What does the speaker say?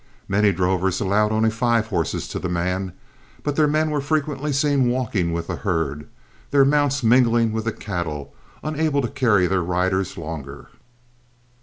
Many drovers allowed only five horses to the man, but their men were frequently seen walking with the herd, their mounts mingling with the cattle, unable to carry their riders longer.